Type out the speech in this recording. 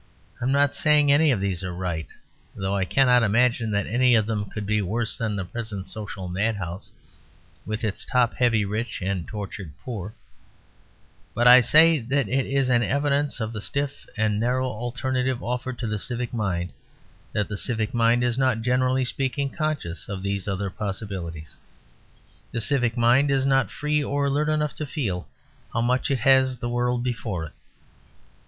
I am not saying that any of these are right, though I cannot imagine that any of them could be worse than the present social madhouse, with its top heavy rich and its tortured poor; but I say that it is an evidence of the stiff and narrow alternative offered to the civic mind, that the civic mind is not, generally speaking, conscious of these other possibilities. The civic mind is not free or alert enough to feel how much it has the world before it.